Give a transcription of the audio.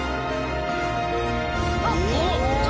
あっ！